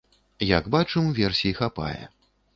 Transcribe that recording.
Як бачым, версій хапае.